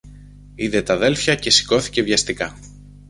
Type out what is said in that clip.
Είδε τ' αδέλφια και σηκώθηκε βιαστικά